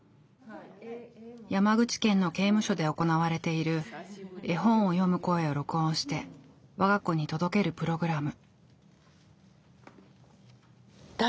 山口県の刑務所で行われている絵本を読む声を録音してわが子に届けるプログラム。